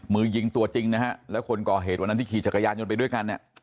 มือยิงตัวจริงนะฮะแล้วคนก่อเหตุวันนั้นที่ขี่จักรยานยนต์ไปด้วยกันเนี่ย